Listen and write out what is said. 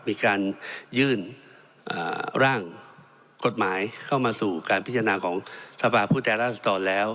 มีการยื่นร่างกฎหมายเข้ามาสู่การพิจารณาของสภาพผู้แทนราษฎรแล้ว